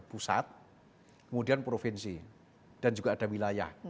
pusat kemudian provinsi dan juga ada wilayah